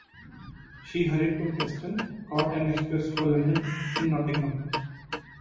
She hurried to Keston, caught an express for London in Nottingham.